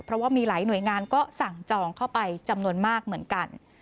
เพราะว่ามีหลายหน่วยงานก็สั่งจองเข้าไปจำนวนมากเหมือนกัน